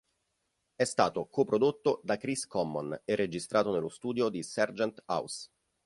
È stato coprodotto da Chris Common e registrato nello studio di Sargent House.